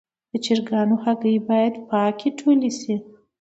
د چرګانو هګۍ باید پاکې ټولې شي.